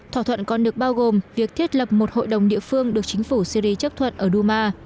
thỏa thuận còn được bao gồm việc thiết lập một hội đồng địa phương được chính phủ syri chấp thuận ở duma